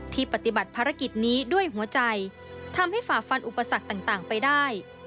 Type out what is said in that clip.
ปฏิบัติภารกิจนี้ด้วยหัวใจทำให้ฝ่าฟันอุปสรรคต่างไปได้